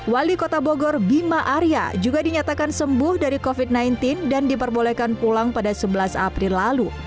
wali kota bogor bima arya juga dinyatakan sembuh dari covid sembilan belas dan diperbolehkan pulang pada sebelas april lalu